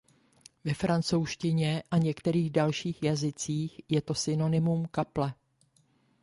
Ve francouzštině a některých dalších jazycích je to synonymum kaple.